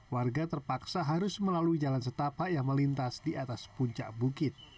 warga terpaksa harus melalui jalan setapak yang melintas di atas puncak bukit